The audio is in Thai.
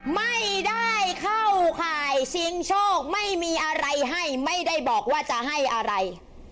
ไม่ได้เข้าข่ายชิงโชคไม่มีอะไรให้ไม่ได้บอกว่าจะให้อะไร